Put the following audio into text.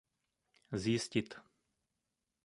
Zjistit.